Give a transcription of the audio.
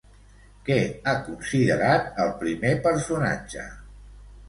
Què ha considerat el primer personatge?